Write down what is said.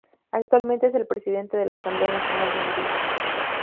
Actualmente es el presidente de la Asamblea Nacional de Hungría.